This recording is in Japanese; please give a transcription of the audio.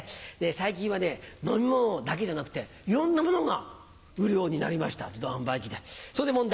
最近はね飲み物だけじゃなくていろんなものが売るようになりました自動販売機でそこで問題。